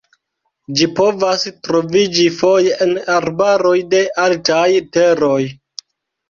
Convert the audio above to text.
Ĝi povas troviĝi foje en arbaroj de altaj teroj.